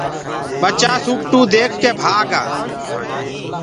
ڀچآ سوپٽوُ ديک ڪي ڀآگ گآ۔